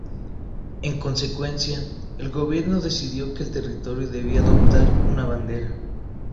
En consecuencia, el gobierno decidió que el territorio debía adoptar una bandera.